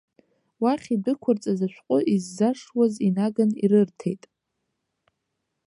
Уахь идәықәырҵаз ашәҟәы иззашшуаз инаган ирырҭеит.